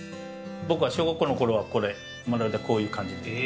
僕が小学校のころはこれ、まるでこういう感じで。